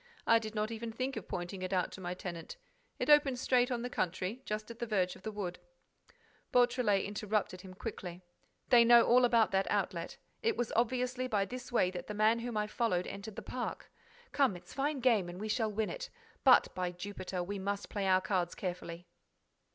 I did not even think of pointing it out to my tenant. It opens straight on the country, just at the verge of the wood." Beautrelet interrupted him quickly: "They know all about that outlet. It was obviously by this way that the man whom I followed entered the park. Come, it's fine game and we shall win it. But, by Jupiter, we must play our cards carefully!"